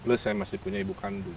plus saya masih punya ibu kandung